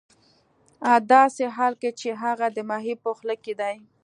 ه داسې حال کې چې هغه د ماهي په خوله کې دی